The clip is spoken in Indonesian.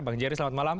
bang jerry selamat malam